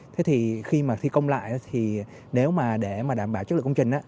thế thì khi mà thi công lại thì nếu mà để mà đảm bảo chất lượng công trình